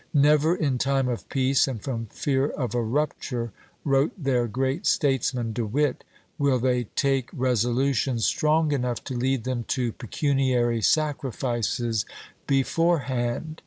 "Never in time of peace and from fear of a rupture," wrote their great statesman, De Witt, "will they take resolutions strong enough to lead them to pecuniary sacrifices beforehand.